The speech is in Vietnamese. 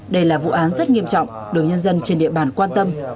đây là vụ án rất nghiêm trọng được nhân dân trên địa bàn quan tâm